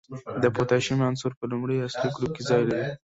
د پوتاشیم عنصر په لومړي اصلي ګروپ کې ځای لري.